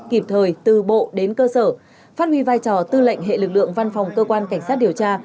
kịp thời từ bộ đến cơ sở phát huy vai trò tư lệnh hệ lực lượng văn phòng cơ quan cảnh sát điều tra